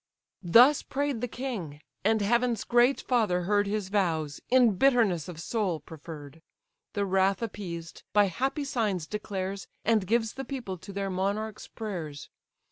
Thus pray'd the king, and heaven's great father heard His vows, in bitterness of soul preferr'd: The wrath appeased, by happy signs declares, And gives the people to their monarch's prayers.